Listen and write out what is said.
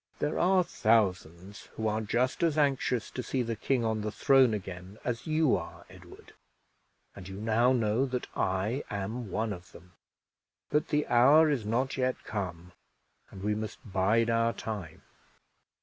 There are thousands who are just as anxious to see the king on the throne again as you are, Edward and you now know that I am one of them; but the hour is not yet come, and we must bide our time.